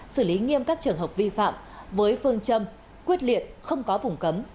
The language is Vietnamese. xử lý nghiêm các trường hợp vi phạm với phương châm quyết liệt không có vùng cấm